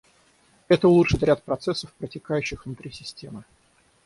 Это улучшит ряд процессов, протекающих внутри системы